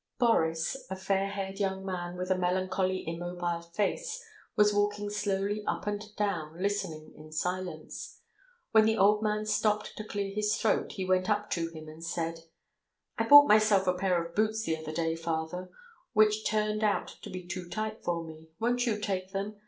Boris, a fair haired young man with a melancholy immobile face, was walking slowly up and down, listening in silence. When the old man stopped to clear his throat, he went up to him and said: "I bought myself a pair of boots the other day, father, which turn out to be too tight for me. Won't you take them?